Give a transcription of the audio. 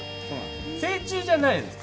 成虫じゃないんですか？